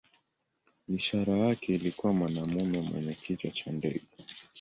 Ishara yake ilikuwa mwanamume mwenye kichwa cha ndege.